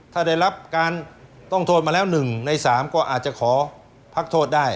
ถ้าได้รับการต้องโทษมาแล้ว๑ใน๓ก็อาจจะขอพักโทษได้